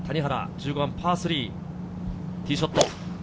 １５番、パー３のティーショット。